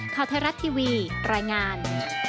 คาวเทศรัททีวีรายงาน